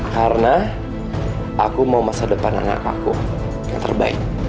karena aku mau masa depan anak aku yang terbaik